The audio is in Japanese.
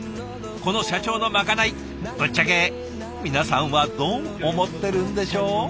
この社長のまかないぶっちゃけ皆さんはどう思ってるんでしょう？